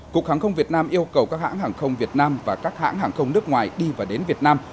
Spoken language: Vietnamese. cục hàng không việt nam yêu cầu các hãng hàng không việt nam và các hãng hàng không nước ngoài đi và đến việt nam